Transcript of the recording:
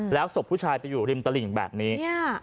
แล้วศพผู้ชายไปอยู่ริมตลิ่งแบบนี้